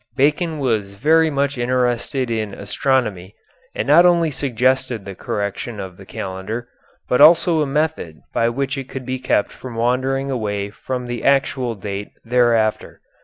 Bacon was very much interested in astronomy, and not only suggested the correction of the calendar, but also a method by which it could be kept from wandering away from the actual date thereafter.